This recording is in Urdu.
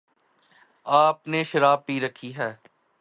آپ نے شراب پی رکھی ہے؟